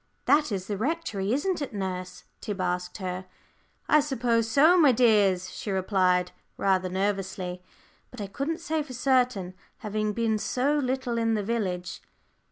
"That is the Rectory, isn't it, nurse?" Tib asked her. "I suppose so, my dears," she replied, rather nervously. "But I couldn't say for certain, having been so little in the village."